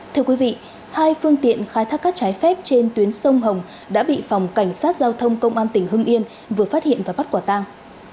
thưa quý vị hai phương tiện khai thác cát trái phép trên tuyến sông hồng đã bị phòng cảnh sát giao thông công an tỉnh hưng yên vừa phát hiện và bắt quả tang